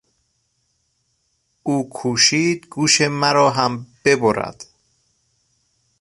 او کوشید گوش مرا هم ببرد.